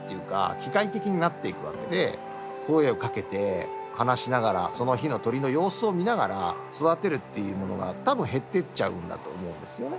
機械的になっていくわけで声を掛けて話しながらその日の鶏の様子を見ながら育てるっていうものがたぶん減ってっちゃうんだと思うんですよね。